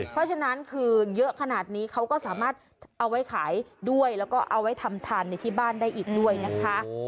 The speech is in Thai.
เพราะฉะนั้นคือเยอะขนาดนี้เขาก็สามารถเอาไว้ขายด้วยแล้วก็เอาไว้ทำทานในที่บ้านได้อีกด้วยนะคะ